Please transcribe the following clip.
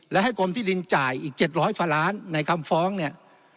และให้กรมที่ดินจ่ายอีก๗๐๐กว่าล้านในคำฟ้องเนี่ย